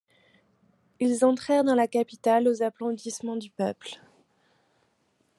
Ils entrèrent dans la capitale aux applaudissements du peuple.